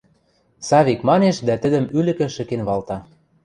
– Савик манеш дӓ тӹдӹм ӱлӹкӹ шӹкен валта.